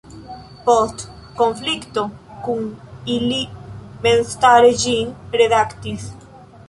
Post konflikto kun ili memstare ĝin redaktis.